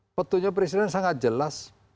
sebetulnya presiden sangat jelas